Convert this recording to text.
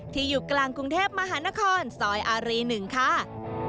ที่อยู่กลางกรุงเทพมหานครสอยอารีหนึ่งค่ะ